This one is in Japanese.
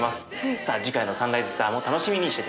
さあ次回のサンライズツアーも楽しみにしてて下さい。